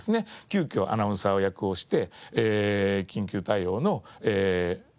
急きょアナウンサー役をして緊急対応の読みをすると。